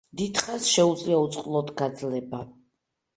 დიდხანს შეუძლია უწყლოდ გაძლება.